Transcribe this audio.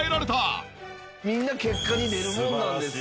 みんな結果に出るもんなんですね。